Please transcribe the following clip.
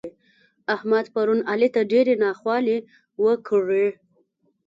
احمد پرون علي ته ډېرې ناخوالې وکړې.